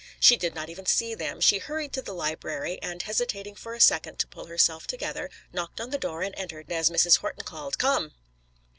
She did not even see them. She hurried to the library, and hesitating for a second to pull herself together, knocked on the door and entered as Mrs. Horton called, "Come!"